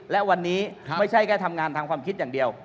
และวันนี้ไม่ใช่แค่ทำงานทางความคิดอย่างเดียว